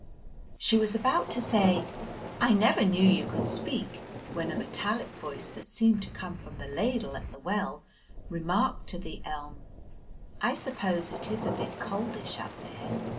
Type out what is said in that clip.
She was about to say, "I never knew you could speak!" when a metallic voice that seemed to come from the ladle at the well remarked to the elm, "I suppose it is a bit coldish up there?"